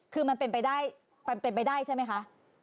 คือมันเป็นไปได้ใช่ไหมคะ